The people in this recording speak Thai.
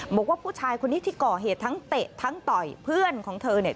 บอกว่าผู้ชายคนนี้ที่ก่อเหตุทั้งเตะทั้งต่อยเพื่อนของเธอเนี่ย